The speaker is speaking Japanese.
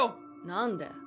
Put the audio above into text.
何で？